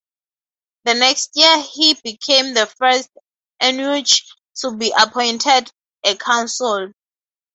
The next year he became the first eunuch to be appointed a consul.